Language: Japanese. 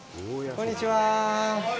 こんにちは。